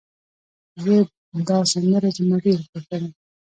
دا سندره زما ډېره خوښه ده